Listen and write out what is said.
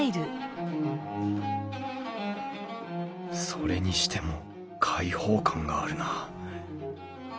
それにしても開放感があるなあ。